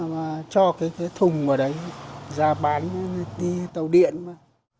mà cho cái thùng đó là một cái thương hiệu của cử đà